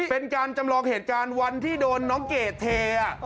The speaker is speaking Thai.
เป็นการจำลองเหตุการณ์วันที่โดนน้องเกดเท